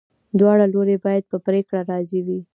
دواړه لوري باید په پریکړه راضي وي.